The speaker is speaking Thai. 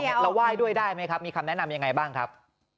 เราไหว้ด้วยได้ไหมครับมีคำแนะนำยังไงบ้างครับ